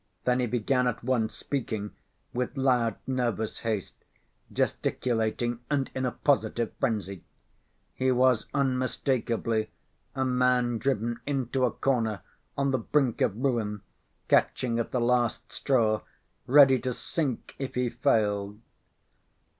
Then he began at once speaking with loud, nervous haste, gesticulating, and in a positive frenzy. He was unmistakably a man driven into a corner, on the brink of ruin, catching at the last straw, ready to sink if he failed.